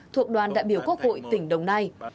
thuộc đoàn đại biểu quốc hội tỉnh đồng nai